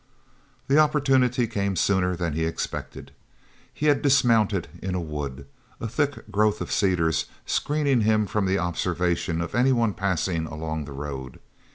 The opportunity came sooner than he expected. He had dismounted in a wood, a thick growth of cedars screening him from the observation of any one passing along the road.